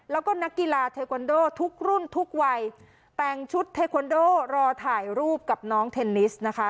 แล้วก็นักกีฬาเทควันโดทุกรุ่นทุกวัยแต่งชุดเทควันโดรอถ่ายรูปกับน้องเทนนิสนะคะ